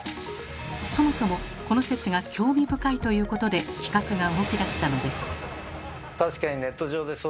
そもそもこの説が興味深いということで企画が動きだしたのです。